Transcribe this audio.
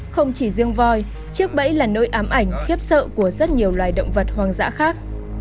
không chỉ riêng voi chiếc bẫy là nỗi ám ảnh khiếp sợ của rất nhiều loài động vật hoang dã khác